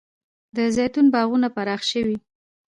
د زیتون باغونه پراخ شوي؟